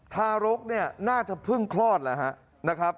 ทารกน่าจะเพิ่งคลอดนะครับ